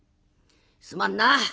「すまんな。